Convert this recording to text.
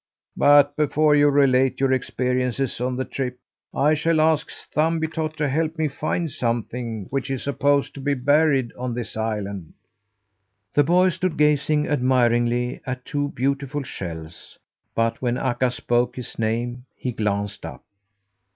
"But before you relate your experiences on the trip, I shall ask Thumbietot to help me find something which is supposed to be buried on this island." The boy stood gazing admiringly at two beautiful shells, but when Akka spoke his name, he glanced up.